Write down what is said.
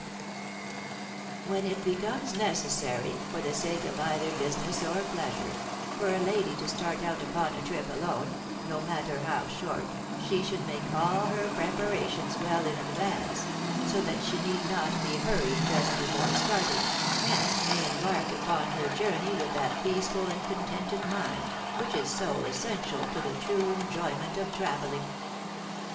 [Sidenote: A Lady's Baggage] "'When it becomes necessary, for the sake of either business or pleasure, for a lady to start out upon a trip alone, no matter how short, she should make all her preparations well in advance, so that she need not be hurried just before starting, and may embark upon her journey with that peaceful and contented mind which is so essential to the true enjoyment of travelling.